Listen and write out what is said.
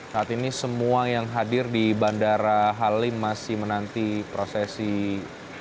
saat ini semua yang hadir di bandara halim masih menanti prosesi